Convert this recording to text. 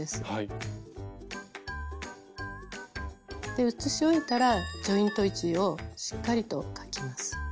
で写し終えたらジョイント位置をしっかりと描きます。